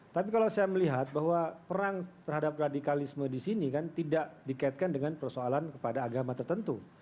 tapi kalau saya melihat bahwa perang terhadap radikalisme di sini kan tidak dikaitkan dengan persoalan kepada agama tertentu